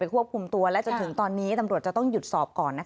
ควบคุมตัวและจนถึงตอนนี้ตำรวจจะต้องหยุดสอบก่อน